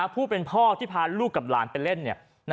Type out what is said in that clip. ผู้เป็นพ่อที่พาลูกกับหลานไปเล่น